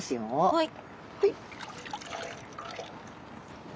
はい。